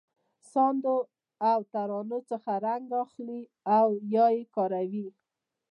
ساندو او ترانو څخه رنګ اخلي او یې کاروي.